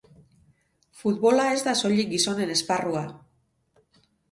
Futbola ez da soilik gizonen esparrua.